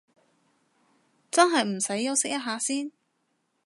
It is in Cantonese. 真係唔使休息一下先？